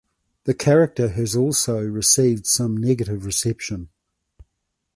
The character has also received some negative reception.